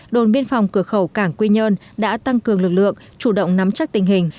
đồn biên phòng cửa khẩu cảng quy nhơn đã tăng cường lực lượng chủ động nắm chắc tình hình